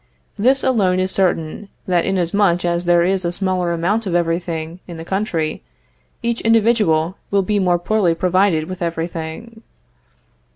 This alone is certain, that inasmuch as there is a smaller amount of everything in the country, each individual will be more poorly provided with everything.